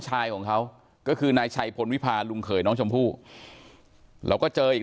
ชายของเขาก็คือนายชัยพลวิพาลุงเขยน้องชมพู่เราก็เจออีก